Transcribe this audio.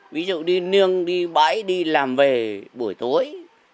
ví dụ đi nương đi bãi đi làm về buổi tối